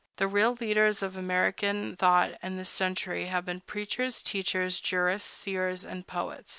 The real leaders of American thought in this century have been preachers, teachers, jurists, seers, and poets.